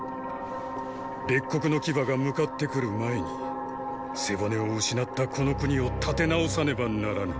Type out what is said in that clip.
列国の牙が向かって来る前に背骨を失ったこの国を立て直さねばならぬ。